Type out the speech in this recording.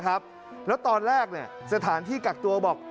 แล้วตอนแรกสถานที่กักตัวบอก